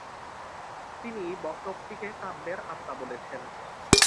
তিনি বক্রোক্তিকে কাব্যের আত্মা বলেছেন।